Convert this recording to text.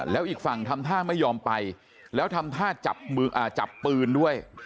แล้วอีกฝั่งทำท่าไม่ยอมไปแล้วทำท่าจับมือจับปืนด้วย